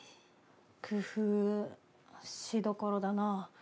工夫しどころだな。